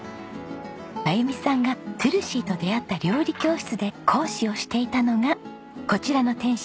真由美さんがトゥルシーと出会った料理教室で講師をしていたのがこちらの店主